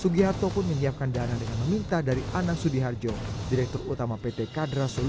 sudiharto pun menyiapkan dana dengan meminta dari anang sudiharto direktur utama pt kadra solution dan pembangunan komisi ii dpr